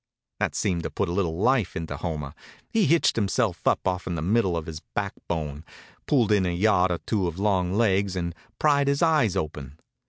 That seemed to put a little life into Homer. He hitched himself up off'n the middle of his backbone, pulled in a yard or two of long legs and pried his eyes open.